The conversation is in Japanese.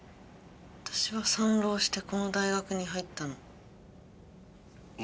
私は３浪してこの大学に入ったの。